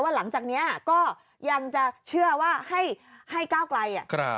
หลังจากนี้ก็ยังจะเชื่อว่าให้ก้าวไกล